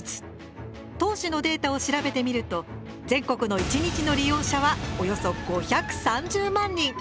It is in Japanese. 当時のデータを調べてみると全国の１日の利用者はおよそ５３０万人。